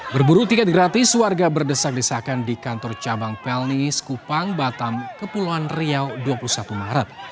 berburu tiket gratis warga berdesak desakan di kantor cabang pelni skupang batam kepulauan riau dua puluh satu maret